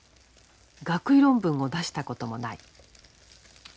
学位論文も出したこともない。